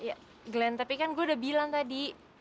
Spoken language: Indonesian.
ya glenn tapi kan gue udah bilang tadi